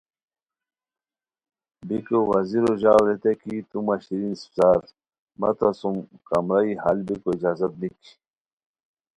بیکو وزیرو ژاؤ ریتائےکی تو مہ شیرین اسپڅار، مہ تہ سوم کمرائی ہال بیکو اجازت نیکی